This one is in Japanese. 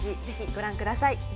ぜひ、ご覧ください。